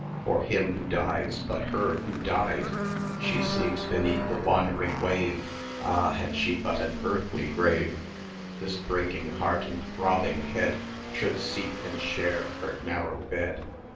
For him who dies, but her who died: She sleeps beneath the wandering wave Ah! had she but an earthly grave, This breaking heart and throbbing head Should seek and share her narrow bed.